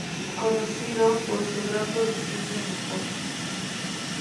Conocido por su gran producción de amapola.